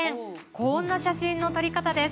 こんな写真の撮り方です。